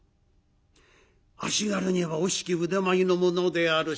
「足軽には惜しき腕前の者である。